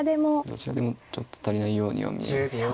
どちらでもちょっと足りないようには見えますね。